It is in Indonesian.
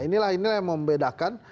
nah inilah yang membedakan